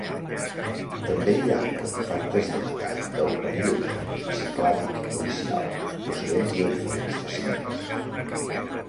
També hi ha artefactes de metall del període Ciclàdic inicial procedents de diferents jaciments.